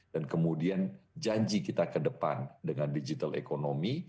dan kemudian janji kita ke depan dengan digital economy